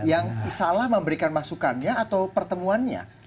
yang salah memberikan masukannya atau pertemuannya